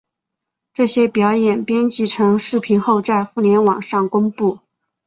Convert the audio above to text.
这些表演编辑成视频后在互联网上公布。